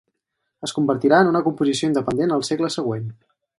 Es convertirà en una composició independent al segle següent.